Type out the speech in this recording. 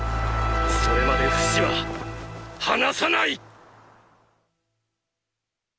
それまでフシは離さない！